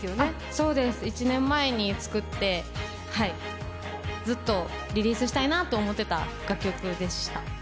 そうです１年前に作ってずっとリリースしたいなと思ってた楽曲でした。